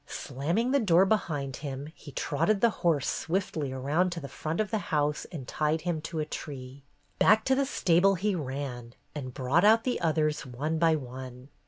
Slamming the door be hind him, he trotted the horse swiftly around to the front of the house and tied him to a tree. Back to the stable he ran and brought out the others, one by one.